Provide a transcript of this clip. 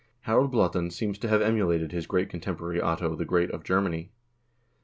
Harald Blaatand seems to have emulated his great contemporary Otto the Great of Germany.